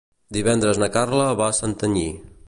Divendres na Carla va a Santanyí.